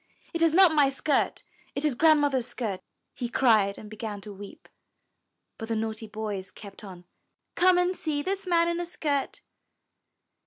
It is not my skirt, it is Grand mother's skirt!" he cried, and began to weep. But the naughty boys kept on. Come and see this man in a skirt."